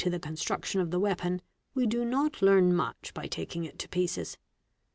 e construction of the weapon, we do not learn much by taking it to i eces.